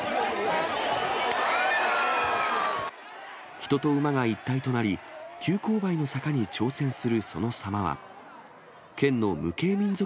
人と馬が一体となり、急勾配の坂に挑戦するその様は、県の無形民俗